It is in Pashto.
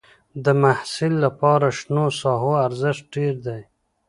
د محصل لپاره شنو ساحو ارزښت ډېر دی.